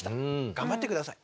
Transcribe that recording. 頑張って下さい。